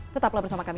tetaplah bersama kami